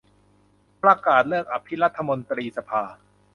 ประกาศเลิกอภิรัฐมนตรีสภา